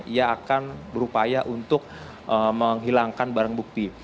ia akan berupaya untuk menghilangkan barang bukti